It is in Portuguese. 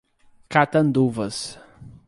Catanduvas